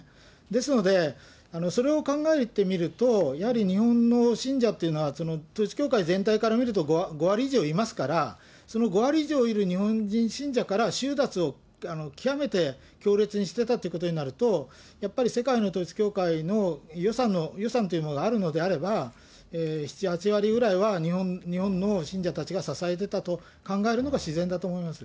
ですので、それを考えてみると、やはり日本の信者っていうのは、統一教会全体から見ると、５割以上いますから、その５割以上いる日本人信者から収奪をきわめて強烈にしてたということになると、やっぱり世界の統一教会の予算というものがあるのであれば、７、８割ぐらいは、日本の信者たちが支えてたと考えるのが、自然だと思います。